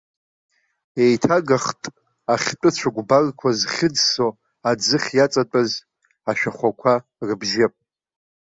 Еиҭагахт ахьтәы цәыкәбарқәа зхьыӡсо аӡыхь иаҵатәаз ашәахәақәа рыбжьы.